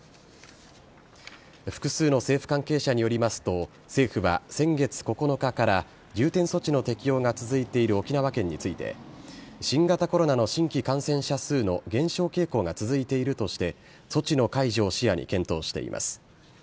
複数の政府関係者によりますと、政府は、先月９日から重点措置の適用が続いている沖縄県について、新型コロナの新規感染者数の減少傾向が続いているとして、措置の解除を視野に検討しています。